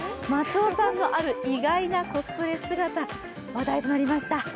松尾さんのある意外なコスプレ姿、話題となりました。